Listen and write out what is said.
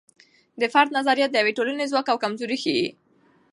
د فرد نظریات د یوې ټولنې ځواک او کمزوري ښیي.